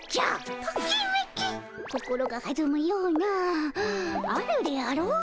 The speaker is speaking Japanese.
心がはずむようなあるであろう？